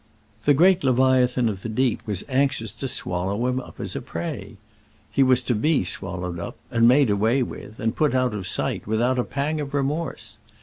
The great leviathan of the deep was anxious to swallow him up as a prey! He was to be swallowed up, and made away with, and put out of sight, without a pang of remorse!